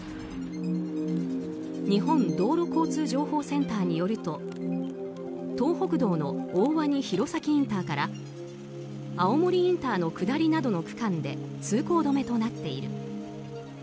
日本道路交通情報センターによると東北道の大鰐弘前インターから青森インターの下りなどの区間で通行止めとなっている。